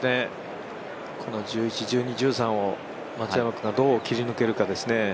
この１１、１２、１３を松山君がどう切り抜けるかですね。